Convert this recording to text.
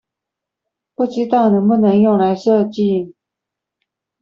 不知道能不能用來設計？